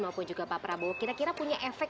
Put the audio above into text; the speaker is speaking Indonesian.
maupun juga pak prabowo kira kira punya efek